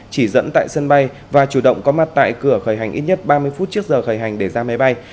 chỉ dẫn tại sân bay và chủ động có mặt tại cửa khởi hành ít nhất ba mươi phút trước giờ khởi hành để ra máy bay